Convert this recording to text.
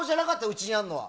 うちにあるのは。